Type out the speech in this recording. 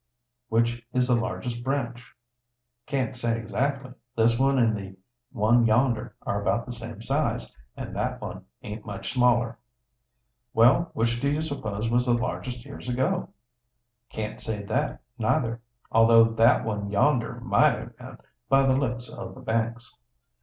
"Which is the largest branch?" "Can't say, exactly. This one an' the one yonder are about the same size, and that one aint much smaller." "Well, which do you suppose was the largest years ago?" "Can't say that neither, although that one yonder might have been, by the looks o' the banks."